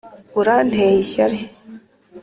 uranteye ishyari.